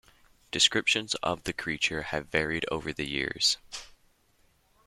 Descriptions of the creature have varied over the years.